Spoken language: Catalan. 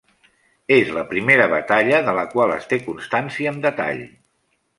És la primera batalla de la qual es té constància amb detall.